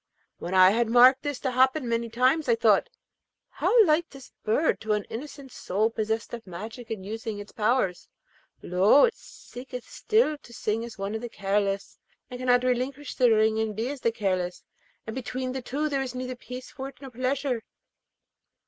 When I had marked this to happen many times, I thought, 'How like is this bird to an innocent soul possessed of magic and using its powers! Lo, it seeketh still to sing as one of the careless, and cannot relinquish the ring and be as the careless, and between the two there is neither peace for it nor pleasure.'